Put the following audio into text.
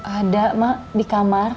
ada emak di kamar